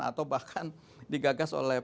atau bahkan digagas oleh